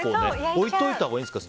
置いといたほうがいいんですか？